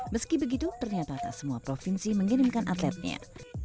meski begitu ternyata tak semua provinsi mengirimkan atletnya